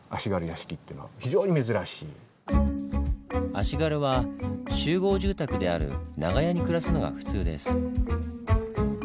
足軽は集合住宅である長屋に暮らすのが普通です。